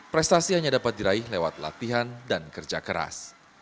prestasi hanya dapat diraih lewat latihan dan kerja keras